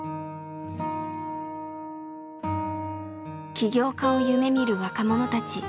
起業家を夢みる若者たち。